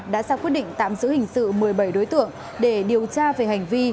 đã ra quyết định tạm giữ hình sự một mươi bảy đối tượng để điều tra về hành vi